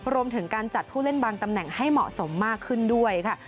รวมถึงการจัดผู้เล่นบางตำแหน่งให้เหมาะสมมากขึ้นด้วยค่ะ